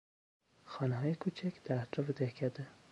خانههای کوچک در اطراف دهکده